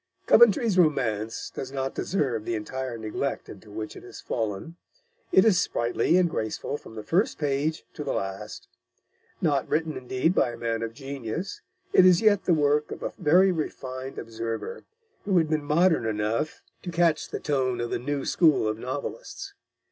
Coventry's romance does not deserve the entire neglect into which it has fallen. It is sprightly and graceful from the first page to the last. Not written, indeed, by a man of genius, it is yet the work of a very refined observer, who had been modern enough to catch the tone of the new school of novelists.